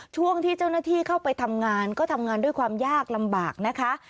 ช่วงที่เจ้าหน้าที่เข้าไปทำงานก็ทำงานด้วยความยากลำบากนะคะ